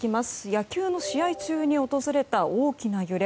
野球の試合中に訪れた大きな揺れ。